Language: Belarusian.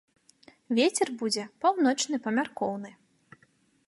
Вецер будзе паўночны памяркоўны.